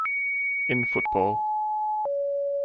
in football.